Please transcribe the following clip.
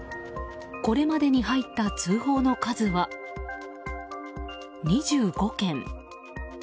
これまでに入った通報の数は２５件。